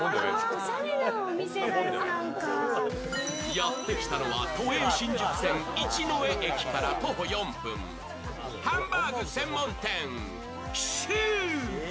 やってきたのは、都営新宿線一之江駅から徒歩４分、ハンバーグ専門店・穐。